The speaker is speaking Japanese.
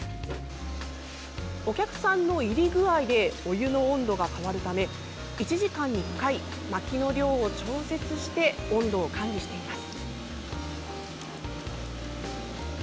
お客さんの入り具合でお湯の温度が変わるため１時間に１回、薪の量を調節して温度を管理しています。